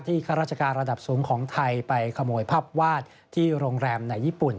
ข้าราชการระดับสูงของไทยไปขโมยภาพวาดที่โรงแรมในญี่ปุ่น